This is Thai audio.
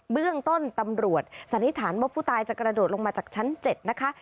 เบื้องต้นตำรวจสันนิษฐานว่าผู้ตายจะกระโดดลงมาจากชั้น๗นะคะ